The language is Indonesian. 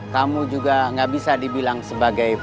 kamu juga tidak bisa dibilang sebagai partner